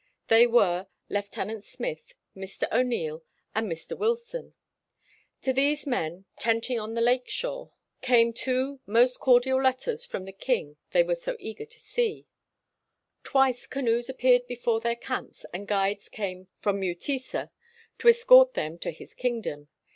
They were Lieutenant Smith, Mr. O'Neill. and Mr. Wil son. To these men tenting on the lake shore 70 RECEPTION AT THE ROYAL PALACE came two most cordial letters from the king they were so eager to see. Twice canoes appeared before their camps and guides came from Mutesa to escort them to his kingdom.